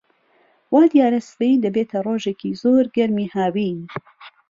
وا دیارە سبەی دەبێتە ڕۆژێکی زۆر گەرمی هاوین.